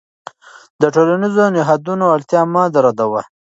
د ټولنیزو نهادونو اړتیا مه ردوه.